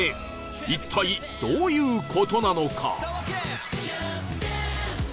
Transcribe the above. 一体どういう事なのか？